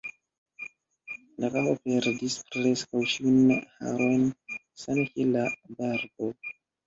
La kapo perdis preskaŭ ĉiujn harojn, same kiel la barbo.